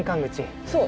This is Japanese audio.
そう。